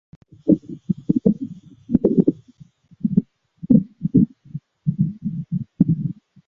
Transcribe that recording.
博米莱基伊人口变化图示